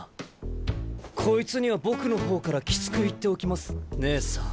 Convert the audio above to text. こいつには僕の方からきつく言っておきます姉さん。